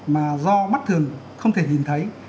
mà do mắt thường không thể nhìn thấy